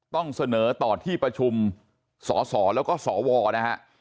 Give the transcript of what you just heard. ต้องเสนอต่อที่ประชุมสสแล้วก็สวนะฮะ